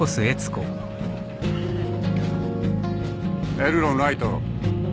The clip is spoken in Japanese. エルロンライト。